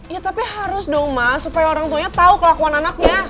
ya tapi harus dong mas supaya orang tuanya tahu kelakuan anaknya